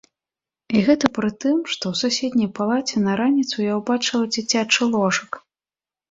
І гэта пры тым, што ў суседняй палаце на раніцу я ўбачыла дзіцячы ложачак.